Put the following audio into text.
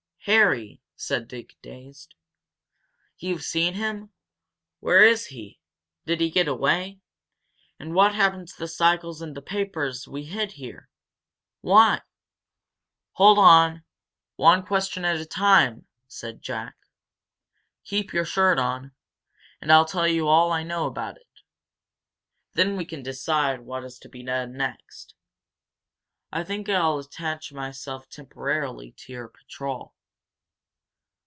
"Harry!" said Dick, dazed. "You've seen him? Where is he? Did he get away? And what happened to the cycles and the papers we hid there? Why " "Hold on! One question at a time," said Jack. "Keep your shirt on, and I'll tell you all I know about it. Then we can decide what is to be done next. I think I'll attach myself temporarily to your patrol."